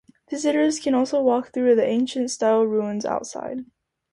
Visitors can also walk through the ancient-style ruins outside.